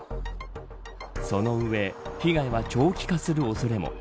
その上被害は長期化する恐れも。